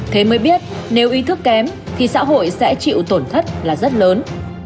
thế mới biết nếu ý thức kém thì xã hội sẽ chịu tổn thất là rất lớn